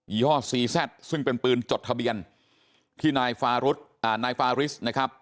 ี่ห้อซีแซดซึ่งเป็นปืนจดทะเบียนที่นายฟาริสนะครับ